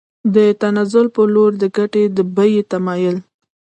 د تنزل په لور د ګټې د بیې تمایل